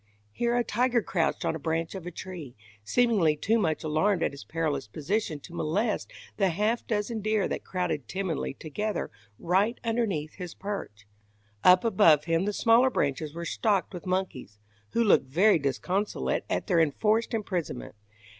Here a tiger crouched on a branch of a tree, seemingly too much alarmed at his perilous position to molest the half dozen deer that crowded timidly together right underneath his perch. Up above him the smaller branches were stocked with monkeys, who looked very disconsolate at their enforced imprisonment.